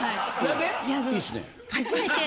初めて。